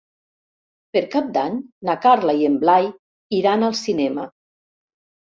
Per Cap d'Any na Carla i en Blai iran al cinema.